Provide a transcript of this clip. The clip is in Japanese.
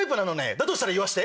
だとしたら言わせて。